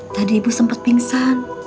tadi ibu sempat pingsan